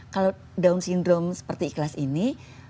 kalau down syndrome seperti ikhlas ini